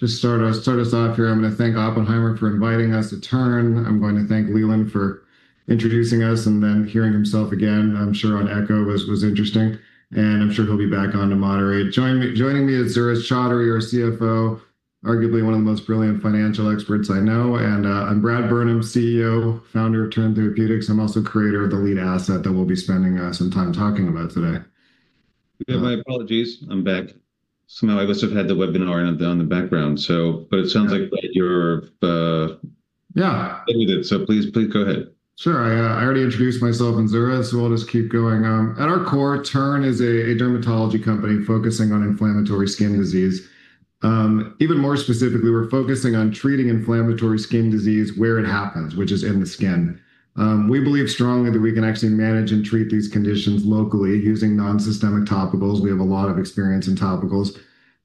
I'm going to just start us off here. I'm gonna thank Oppenheimer for inviting us to Turn. I'm going to thank Leland for introducing us, hearing himself again, I'm sure on echo was interesting, and I'm sure he'll be back on to moderate. Joining me is Zuraiz Chaudhary, our CFO, arguably one of the most brilliant financial experts I know, I'm Bradley Burnam, CEO, Founder of Turn Therapeutics. I'm also creator of the lead asset that we'll be spending some time talking about today. Yeah, my apologies. I'm back. Somehow I must have had the webinar on, in the background, but it sounds like you're. Yeah Good with it, so please go ahead. Sure. I already introduced myself and Zurais, I'll just keep going. At our core, Turn is a dermatology company focusing on inflammatory skin disease. Even more specifically, we're focusing on treating inflammatory skin disease where it happens, which is in the skin. We believe strongly that we can actually manage and treat these conditions locally using non-systemic topicals. We have a lot of experience in topicals.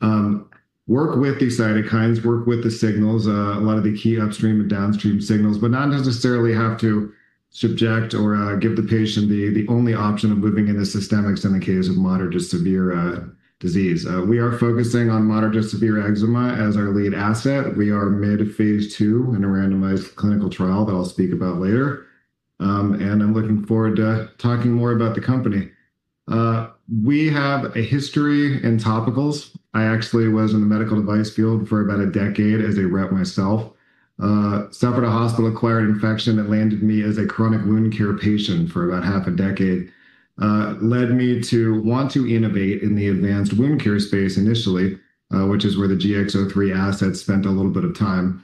Work with the cytokines, work with the signals, a lot of the key upstream and downstream signals, not necessarily have to subject or give the patient the only option of moving into systemics in the case of moderate to severe disease. We are focusing on moderate to severe eczema as our lead asset. We are mid-phase II in a randomized clinical trial that I'll speak about later. I'm looking forward to talking more about the company. We have a history in topicals. I actually was in the medical device field for about a decade as a rep myself. Suffered a hospital-acquired infection that landed me as a chronic wound care patient for about half a decade, led me to want to innovate in the advanced wound care space initially, which is where the GX-03 asset spent a little bit of time.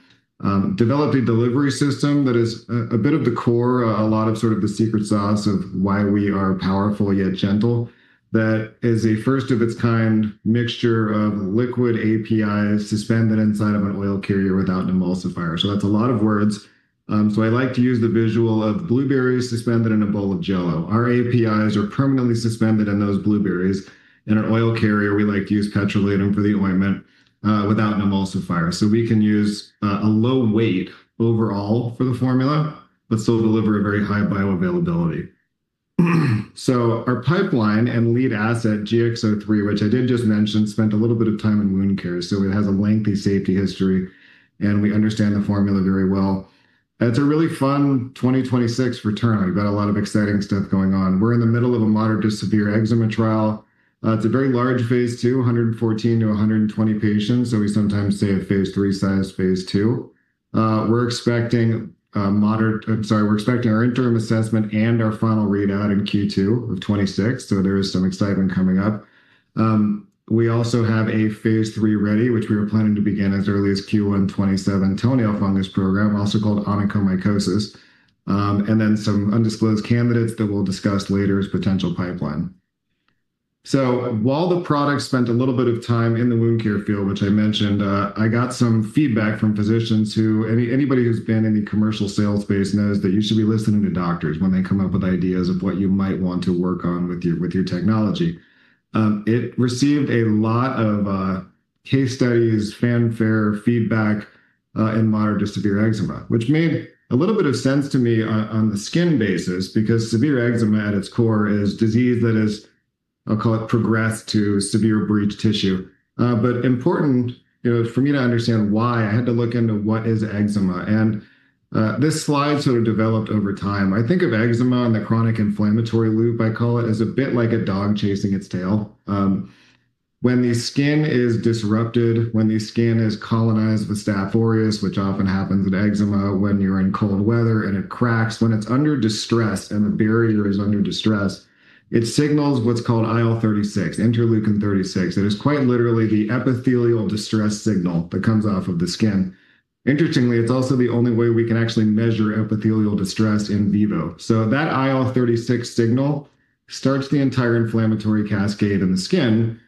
Developed a delivery system that is a bit of the core, a lot of sort of the secret sauce of why we are powerful yet gentle. That is a first of its kind mixture of liquid APIs suspended inside of an oil carrier without an emulsifier. That's a lot of words. I like to use the visual of blueberries suspended in a bowl of jello. Our API are permanently suspended in those blueberries, in an oil carrier, we like to use petrolatum for the ointment, without an emulsifier. We can use a low weight overall for the formula, but still deliver a very high bioavailability. Our pipeline and lead asset, GX-03, which I did just mention, spent a little bit of time in wound care, so it has a lengthy safety history, and we understand the formula very well. It's a really fun 2026 for Turn. We've got a lot of exciting stuff going on. We're in the middle of a moderate to severe eczema trial. It's a very large phase II, 214-220 patients, so we sometimes say a phase III-sized phase II. We're expecting, sorry, we're expecting our interim assessment and our final readout in Q2 2026, so there is some excitement coming up. We also have a phase III ready, which we are planning to begin as early as Q1 2027, toenail fungus program, also called onychomycosis, and then some undisclosed candidates that we'll discuss later as potential pipeline. While the product spent a little bit of time in the wound care field, which I mentioned, I got some feedback from physicians who anybody who's been in the commercial sales space knows that you should be listening to doctors when they come up with ideas of what you might want to work on with your, with your technology. It received a lot of case studies, fanfare, feedback, in moderate to severe eczema, which made a little bit of sense to me on the skin basis, because severe eczema, at its core, is disease that is, I'll call it, progressed to severe breached tissue. Important, you know, for me to understand why, I had to look into what is eczema, and this slide sort of developed over time. I think of eczema and the chronic inflammatory loop, I call it, as a bit like a dog chasing its tail. When the skin is disrupted, when the skin is colonized with Staph aureus, which often happens with eczema, when you're in cold weather and it cracks, when it's under distress and the barrier is under distress, it signals what's called IL-36, Interleukin 36. It is quite literally the epithelial distress signal that comes off of the skin. Interestingly, it's also the only way we can actually measure epithelial distress in vivo. That IL-36 signal starts the entire inflammatory cascade in the skin,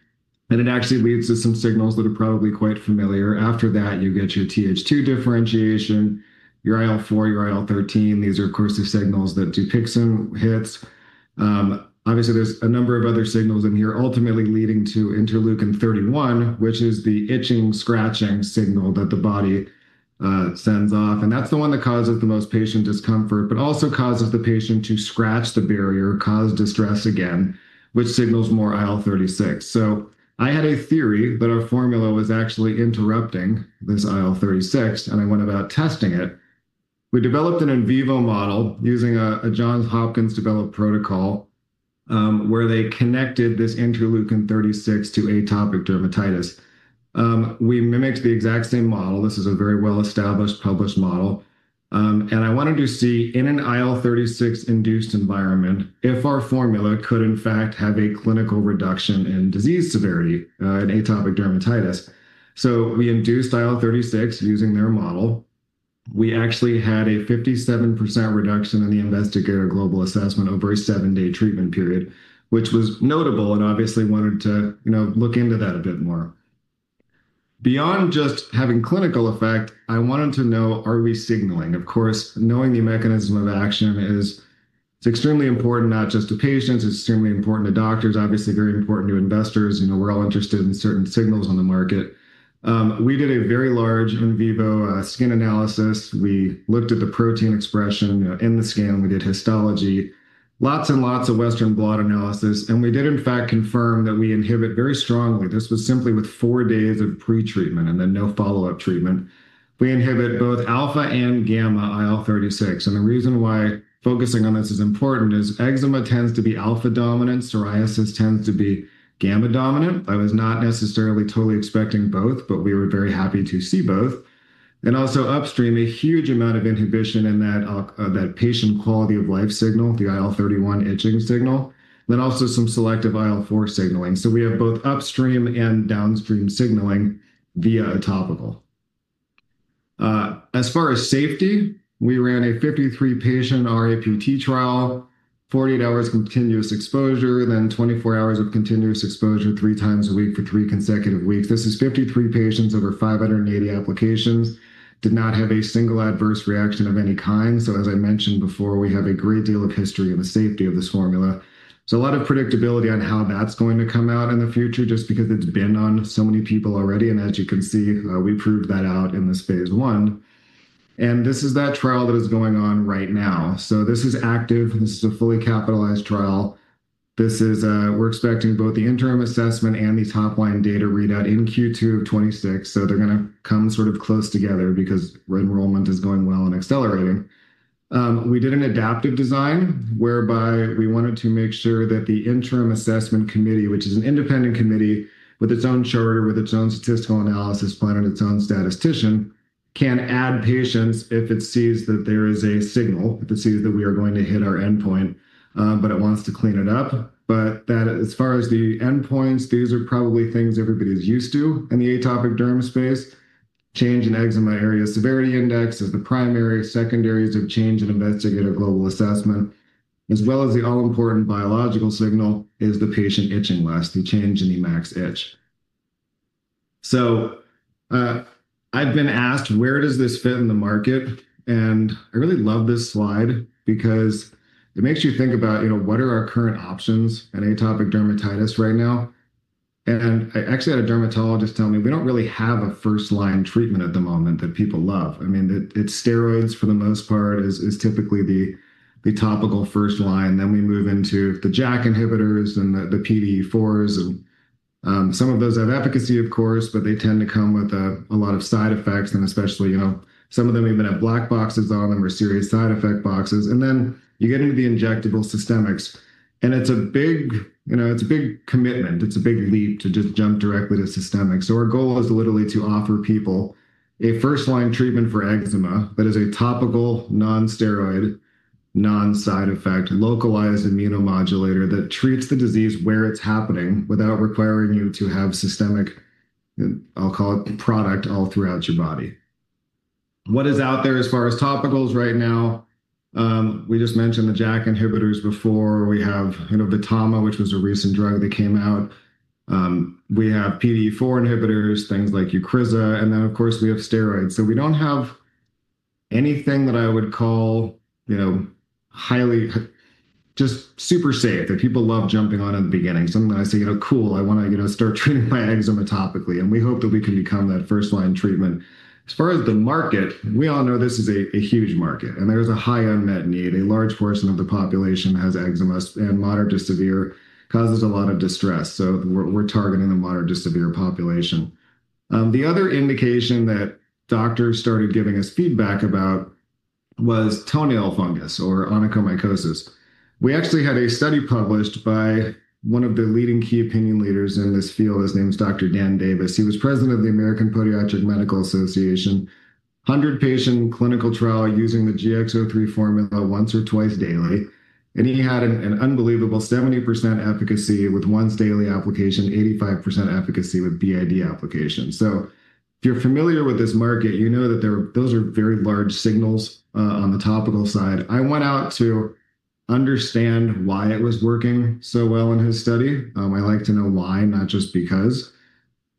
and it actually leads to some signals that are probably quite familiar. After that, you get your Th2 differentiation, your IL-4, your IL-13. These are, of course, the signals that Dupixent hits. Obviously, there's a number of other signals in here, ultimately leading to Interleukin-31, which is the itching, scratching signal that the body sends off. That's the one that causes the most patient discomfort, but also causes the patient to scratch the barrier, cause distress again, which signals more IL-36. I had a theory that our formula was actually interrupting this IL-36, and I went about testing it. We developed an in vivo model using a Johns Hopkins-developed protocol, where they connected this Interleukin-36 to atopic dermatitis. We mimicked the exact same model. This is a very well-established, published model. I wanted to see, in an IL-36-induced environment, if our formula could in fact have a clinical reduction in disease severity in atopic dermatitis. We induced IL-36 using their model. We actually had a 57% reduction in the Investigator Global Assessment over a seven-day treatment period, which was notable, and obviously wanted to, you know, look into that a bit more. Beyond just having clinical effect, I wanted to know, are we signaling? Of course, knowing the mechanism of action is, it's extremely important not just to patients, it's extremely important to doctors, obviously very important to investors. You know, we're all interested in certain signals on the market. We did a very large in vivo skin analysis. We looked at the protein expression in the skin, we did histology. Lots and lots of Western blot analysis, and we did in fact confirm that we inhibit very strongly. This was simply with four days of pre-treatment, and then no follow-up treatment. We inhibit both alpha and gamma IL-36, and the reason why focusing on this is important is eczema tends to be alpha-dominant, psoriasis tends to be gamma-dominant. I was not necessarily totally expecting both, but we were very happy to see both. Also upstream, a huge amount of inhibition in that patient quality of life signal, the IL-31 itching signal, then also some selective IL-4 signaling. We have both upstream and downstream signaling via a topical. As far as safety, we ran a 53 patient RAPT trial, 48 hours continuous exposure, then 24 hours of continuous exposure, three times a week for three consecutive weeks. This is 53 patients over 580 applications. Did not have a single adverse reaction of any kind. As I mentioned before, we have a great deal of history in the safety of this formula. A lot of predictability on how that's going to come out in the future, just because it's been on so many people already, and as you can see, we proved that out in this phase I. This is that trial that is going on right now. This is active, and this is a fully capitalized trial. This is, we're expecting both the interim assessment and the top line data readout in Q2 of 2026. They're gonna come sort of close together because enrollment is going well and accelerating. We did an adaptive design, whereby we wanted to make sure that the interim assessment committee, which is an independent committee, with its own charter, with its own statistical analysis plan, and its own statistician, can add patients if it sees that there is a signal, if it sees that we are going to hit our endpoint, but it wants to clean it up. That as far as the endpoints, these are probably things everybody's used to in the atopic derm space. Change in Eczema Area and Severity Index is the primary, secondaries of change in Investigator Global Assessment, as well as the all-important biological signal is the patient itching less, the change in the max itch. I've been asked, where does this fit in the market? I really love this slide because it makes you think about, you know, what are our current options in atopic dermatitis right now? I actually had a dermatologist tell me, "We don't really have a first-line treatment at the moment that people love." I mean, it's steroids, for the most part, is typically the topical first line. We move into the JAK inhibitors and the PDE4s. Some of those have efficacy, of course, but they tend to come with a lot of side effects, and especially, you know, some of them even have black boxes on them or serious side effect boxes. Then you get into the injectable systemics, and you know, it's a big commitment, it's a big leap to just jump directly to systemic. Our goal is literally to offer people a first-line treatment for eczema that is a topical, non-steroid, non-side effect, localized immunomodulator that treats the disease where it's happening, without requiring you to have systemic, I'll call it, product all throughout your body. What is out there as far as topicals right now? We just mentioned the JAK inhibitors before. We have, you know, VTAMA, which was a recent drug that came out. We have PDE4 inhibitors, things like Eucrisa, and then, of course, we have steroids. We don't have anything that I would call, you know, just super safe, that people love jumping on in the beginning. Sometimes they say, "You know, cool, I wanna, you know, start treating my eczema topically," and we hope that we can become that first-line treatment. As far as the market, we all know this is a huge market, and there is a high unmet need. A large portion of the population has eczema, and moderate to severe causes a lot of distress, so we're targeting the moderate to severe population. The other indication that doctors started giving us feedback about was toenail fungus or onychomycosis. We actually had a study published by one of the leading key opinion leaders in this field. His name is Dr. Dan Davis. He was president of the American Podiatric Medical Association. 100-patient clinical trial using the GX-03 formula once or twice daily, he had an unbelievable 70% efficacy with once daily application, 85% efficacy with BID application. If you're familiar with this market, you know that those are very large signals on the topical side. I went out to understand why it was working so well in his study. I like to know why, not just because.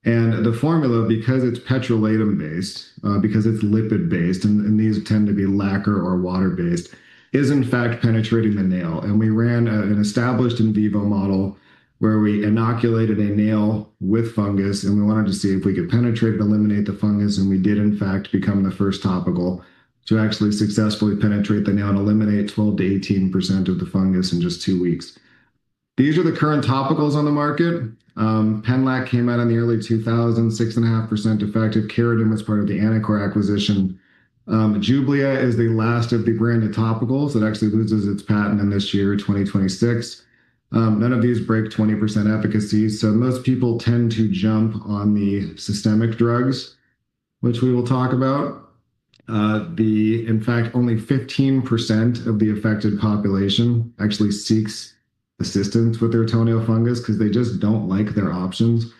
The formula, because it's petrolatum-based, because it's lipid-based, and these tend to be lacquer or water-based, is in fact penetrating the nail. We ran an established in vivo model where we inoculated a nail with fungus, and we wanted to see if we could penetrate and eliminate the fungus, and we did, in fact, become the first topical to actually successfully penetrate the nail and eliminate 12%-18% of the fungus in just two weeks. These are the current topicals on the market. Penlac came out in the early 2000s, 6.5% effective. Kerydin was part of the Anacor acquisition. Jublia is the last of the branded topicals. It actually loses its patent in this year, 2026. None of these break 20% efficacy, most people tend to jump on the systemic drugs, which we will talk about. In fact, only 15% of the affected population actually seeks assistance with their toenail fungus because they just don't like their options.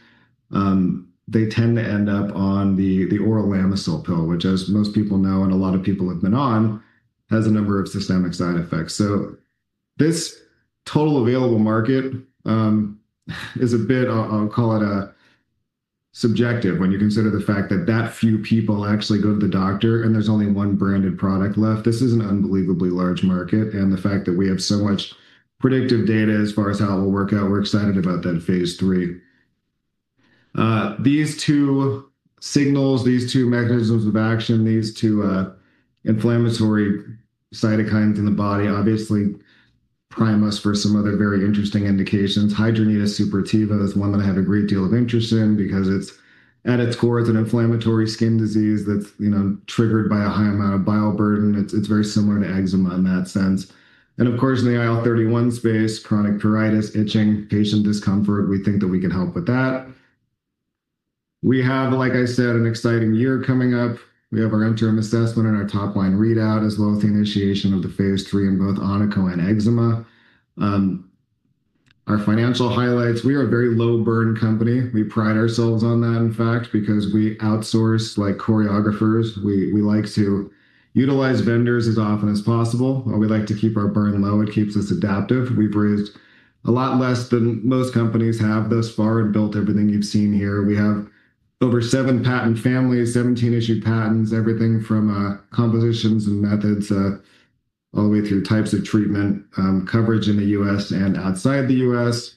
They tend to end up on the Oral Lamisil pill, which, as most people know, and a lot of people have been on, has a number of systemic side effects. This total available market is a bit, I'll call it, subjective when you consider the fact that few people actually go to the doctor, and there's only one branded product left. This is an unbelievably large market, and the fact that we have so much predictive data as far as how it will work out, we're excited about that phase III. These two signals, these two mechanisms of action, these two inflammatory cytokines in the body, obviously prime us for some other very interesting indications. Hidradenitis suppurativa is one that I have a great deal of interest in, because at its core, it's an inflammatory skin disease that's, you know, triggered by a high amount of bioburden. It's very similar to eczema in that sense. Of course, in the IL-31 space, chronic pruritus, itching, patient discomfort, we think that we can help with that. We have, like I said, an exciting year coming up. We have our interim assessment and our top line readout, as well as the initiation of the phase III in both onychomycosis and eczema. Our financial highlights, we are a very low-burn company. We pride ourselves on that, in fact, because we outsource, like choreographers. We like to utilize vendors as often as possible, or we like to keep our burn low. It keeps us adaptive. We've raised a lot less than most companies have thus far, built everything you've seen here. We have over seven patent families, 17 issued patents, everything from compositions and methods, all the way through types of treatment, coverage in the U.S. and outside the U.S.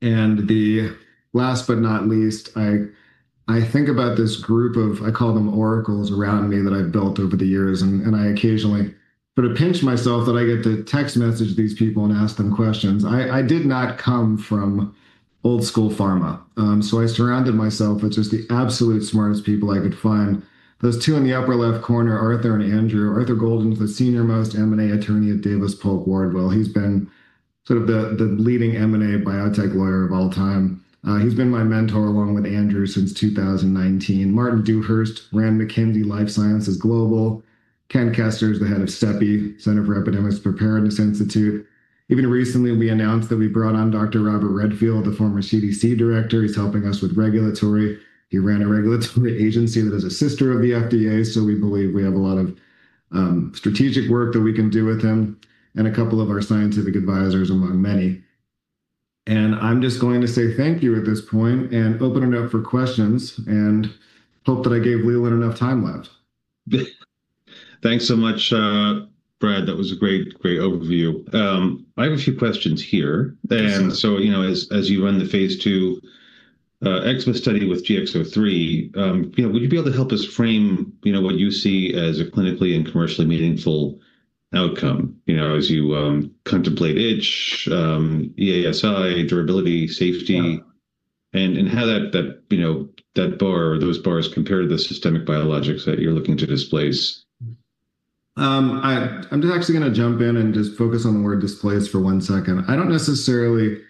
The last but not least, I think about this group of... I call them oracles around me that I've built over the years, and I occasionally put a pinch myself that I get to text message these people and ask them questions. I did not come from old school pharma, so I surrounded myself with just the absolute smartest people I could find. Those two in the upper left corner, Arthur and Andrew. Arthur Golden is the senior-most M&A attorney at Davis Polk & Wardwell. He's been sort of the leading M&A biotech lawyer of all time. He's been my mentor, along with Andrew, since 2019. Martin Dewhurst ran McKinsey Life Sciences Global. Richard Hatchett is the head of CEPI, Center for Epidemics Preparedness Institute. Recently, we announced that we brought on Dr. Robert Redfield, the former CDC director. He's helping us with regulatory. He ran a regulatory agency that is a sister of the FDA. We believe we have a lot of strategic work that we can do with him, and a couple of our scientific advisors, among many. I'm just going to say thank you at this point, and open it up for questions, and hope that I gave Leland enough time left. Thanks so much, Brad. That was a great overview. I have a few questions here. Yes, sir. You know, as you run the Phase II eczema study with GX-03, you know, would you be able to help us frame, you know, what you see as a clinically and commercially meaningful outcome, you know, as you contemplate itch, EASI, durability, safety? Yeah. How that, you know, that bar, or those bars compare to the systemic biologics that you're looking to displace? I'm just actually gonna jump in and just focus on the word "displace" for one second. I don't necessarily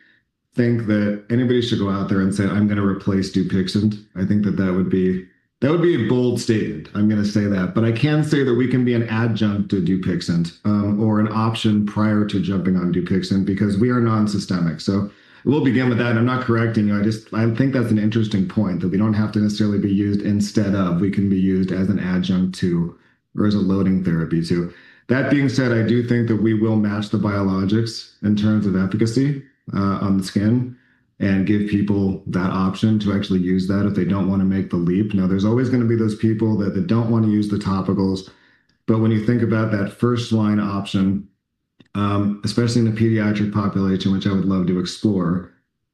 think that anybody should go out there and say, "I'm gonna replace Dupixent." I think that that would be a bold statement. I'm gonna say that. I can say that we can be an adjunct to Dupixent, or an option prior to jumping on Dupixent, because we are non-systemic. We'll begin with that, and I'm not correcting you. I think that's an interesting point, that we don't have to necessarily be used instead of, we can be used as an adjunct to, or as a loading therapy, too. That being said, I do think that we will match the biologics in terms of efficacy, on the skin, and give people that option to actually use that if they don't want to make the leap. There's always gonna be those people that don't want to use the topicals, but when you think about that first line option, especially in the pediatric population, which I would love to explore,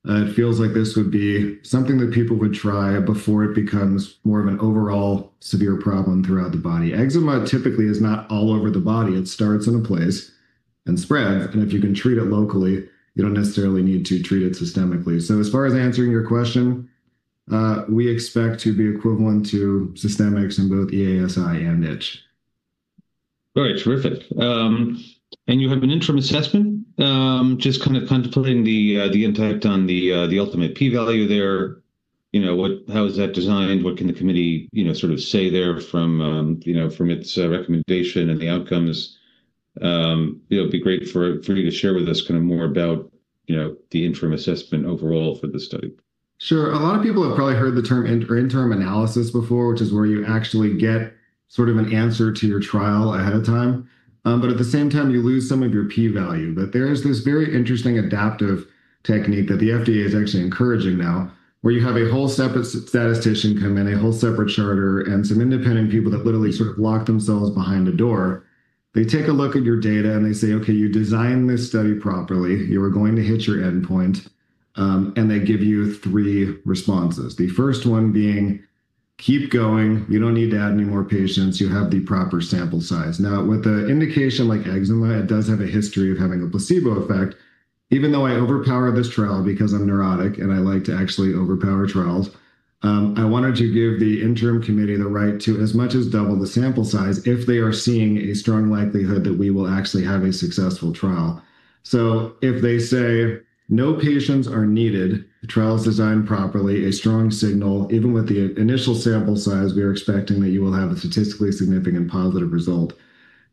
it feels like this would be something that people would try before it becomes more of an overall severe problem throughout the body. Eczema typically is not all over the body. It starts in a place and spreads, and if you can treat it locally, you don't necessarily need to treat it systemically. As far as answering your question, we expect to be equivalent to systemics in both EASI and itch. All right, terrific. You have an interim assessment, just kind of contemplating the impact on the ultimate p-value there. You know, how is that designed? What can the committee, you know, sort of say there from, you know, from its recommendation and the outcomes? It'd be great for you to share with us kind of more about, you know, the interim assessment overall for the study. Sure. A lot of people have probably heard the term interim analysis before, which is where you actually get sort of an answer to your trial ahead of time, but at the same time, you lose some of your p-value. There is this very interesting adaptive technique that the FDA is actually encouraging now, where you have a whole separate statistician come in, a whole separate charter, and some independent people that literally sort of lock themselves behind a door. They take a look at your data, and they say: "Okay, you designed this study properly. You are going to hit your endpoint." They give you three responses. The first one being, "Keep going. You don't need to add any more patients. You have the proper sample size." Now, with a indication like eczema, it does have a history of having a placebo effect. Even though I overpower this trial because I'm neurotic, and I like to actually overpower trials, I wanted to give the interim committee the right to as much as double the sample size if they are seeing a strong likelihood that we will actually have a successful trial. If they say, "No patients are needed, the trial is designed properly, a strong signal. Even with the initial sample size, we are expecting that you will have a statistically significant positive result."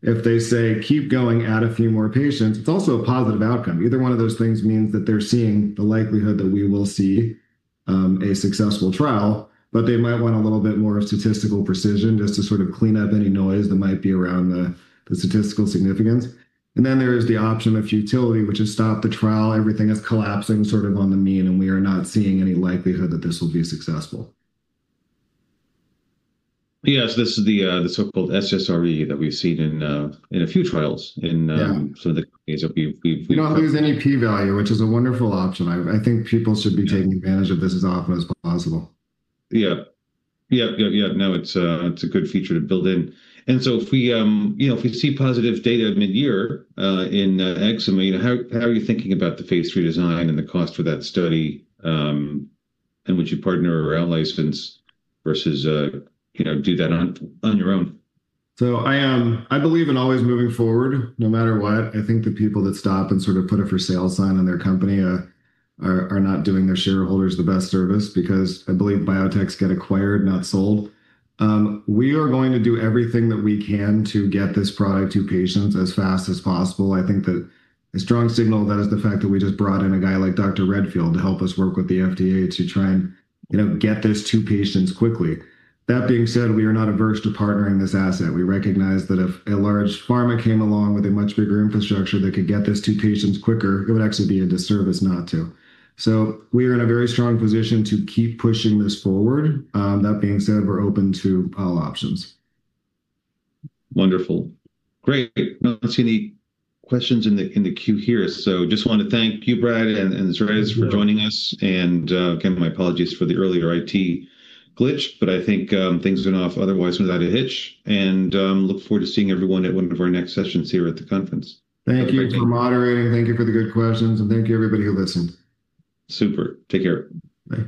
If they say, "Keep going, add a few more patients," it's also a positive outcome. Either one of those things means that they're seeing the likelihood that we will see a successful trial, They might want a little bit more statistical precision just to sort of clean up any noise that might be around the statistical significance. There is the option of futility, which is, "Stop the trial. Everything is collapsing sort of on the mean, and we are not seeing any likelihood that this will be successful. Yes, this is the so-called SSRE that we've seen in a few trials, in. Yeah Some of the cases we've. We don't lose any p-value, which is a wonderful option. I think people should be. Yeah Taking advantage of this as often as possible. Yeah. Yep. No, it's a good feature to build in. If we, you know, if we see positive data mid-year, in eczema, you know, how are you thinking about the phase III design and the cost for that study, and would you partner around license versus, you know, do that on your own? I believe in always moving forward, no matter what. I think the people that stop and sort of put a for sale sign on their company, are not doing their shareholders the best service, because I believe biotechs get acquired, not sold. We are going to do everything that we can to get this product to patients as fast as possible. I think that a strong signal of that is the fact that we just brought in a guy like Dr. Redfield to help us work with the FDA to try and, you know, get this to patients quickly. That being said, we are not averse to partnering this asset. We recognize that if a large pharma came along with a much bigger infrastructure that could get this to patients quicker, it would actually be a disservice not to. We are in a very strong position to keep pushing this forward. That being said, we're open to all options. Wonderful. Great. I don't see any questions in the, in the queue here, so just want to thank you, Brad, and Zuraiz for joining us. Thank you. Again, my apologies for the earlier IT glitch, but I think, things went off otherwise without a hitch. Look forward to seeing everyone at one of our next sessions here at the conference. Thank you for moderating, thank you for the good questions, and thank you, everybody, who listened. Super. Take care. Bye.